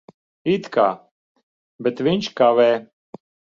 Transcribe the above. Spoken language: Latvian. It kā. Bet viņš kavē.